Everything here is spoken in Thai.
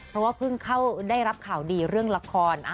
เพราะว่าเพิ่งเข้าได้รับข่าวดีเรื่องละคร